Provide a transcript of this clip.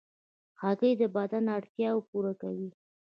هګۍ د بدن اړتیاوې پوره کوي.